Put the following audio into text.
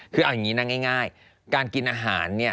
คือเอาอย่างนี้นะง่ายการกินอาหารเนี่ย